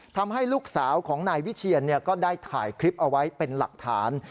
ทำให้ลูกสาวของนายวิเชียนก็ได้ถ่ายคลิปเอาไว้เป็นหลักฐาน